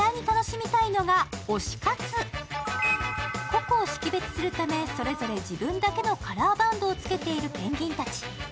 個々を識別するため、それぞれ自分だけのカラーバンドをつけているペンギンたち。